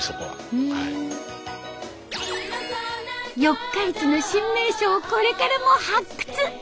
四日市の新名所をこれからも発掘！